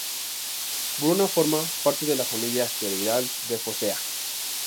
Bruna forma parte de la familia asteroidal de Focea.